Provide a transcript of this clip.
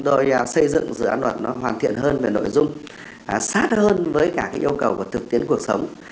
tôi xây dựng dự án luật nó hoàn thiện hơn về nội dung sát hơn với cả cái yêu cầu của thực tiễn cuộc sống